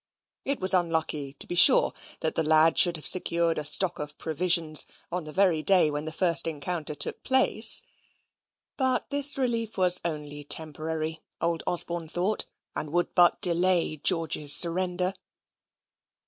It was unlucky, to be sure, that the lad should have secured a stock of provisions on the very day when the first encounter took place; but this relief was only temporary, old Osborne thought, and would but delay George's surrender.